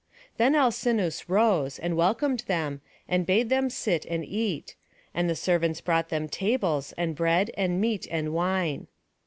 Then Alcinous rose, and welcomed them, and bade them sit and eat; and the servants brought them tables, and bread, and meat, and wine.